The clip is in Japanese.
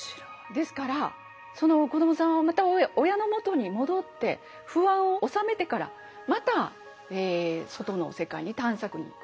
ですからその子どもさんはまた親のもとに戻って不安をおさめてからまた外の世界に探索に行く。